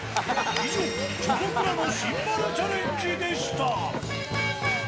以上、チョコプラのシンバルチャレンジでした。